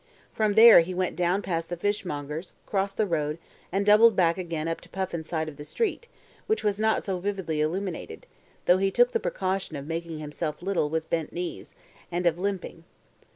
From there he went down past the fishmonger's, crossed the road, and doubled back again up Puffin's side of the street, which was not so vividly illuminated, though he took the precaution of making himself little with bent knees, and of limping.